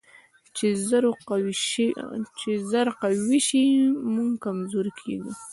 چې زور قوي شي، موږ کمزوري کېږو.